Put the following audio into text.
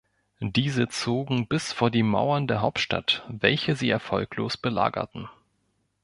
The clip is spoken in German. Diese zogen bis vor die Mauern der Hauptstadt, welche sie erfolglos belagerten.